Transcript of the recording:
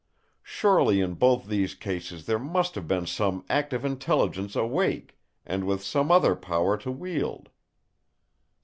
Surely in both these cases there must have been some active intelligence awake, and with some other power to wield."